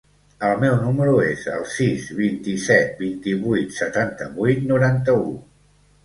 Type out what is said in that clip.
El meu número es el sis, vint-i-set, vint-i-vuit, setanta-vuit, noranta-u.